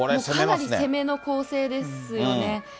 かなり攻めの構成ですよね。